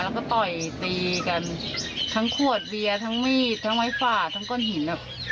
แล้วก็ต่อยตีกันทั้งขวดเบียร์ทั้งมีดทั้งไม้ฝ่าทั้งก้อนหินอ่ะ